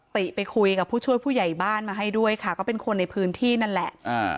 ติไปคุยกับผู้ช่วยผู้ใหญ่บ้านมาให้ด้วยค่ะก็เป็นคนในพื้นที่นั่นแหละอ่า